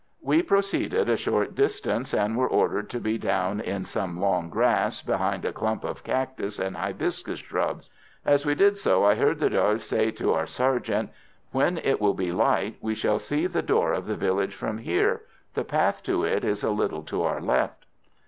We proceeded a short distance, and were ordered to be down in some long grass, behind a clump of cactus and hibiscus shrubs. As we did so, I heard the Doy say to our sergeant: "When it will be light we shall see the door of the village from here; the path to it is a little to our left."